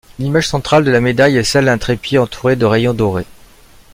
L'image centrale de la médaille est celle d'un trépied entouré de rayons dorés.